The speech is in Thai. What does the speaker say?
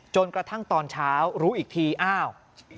จนกระทั่งตอนเช้ารู้อีกทีอ้าว